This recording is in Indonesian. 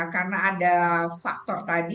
karena ada faktor tadi